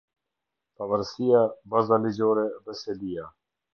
Pavarësia, baza ligjore dhe selia.